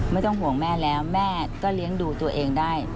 ไม่ต้องห่วงแม่แล้วแม่ก็เลี้ยงดูตัวเองได้